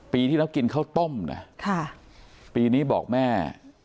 ปีที่เรากินข้าวต้มปีนี้บอกแม่